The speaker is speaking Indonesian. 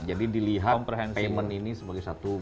jadi dilihat payment ini sebagai satu